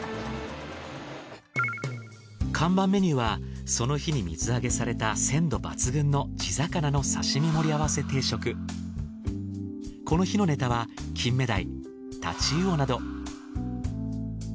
看板メニューはその日に水揚げされた鮮度抜群のこの日のネタはキンメダイタチウオなど。